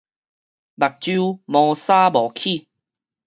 目睭毛捎無起